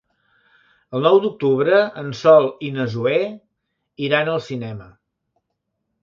El nou d'octubre en Sol i na Zoè iran al cinema.